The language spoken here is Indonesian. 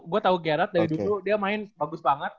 gua tau gerard dari dulu dia main bagus banget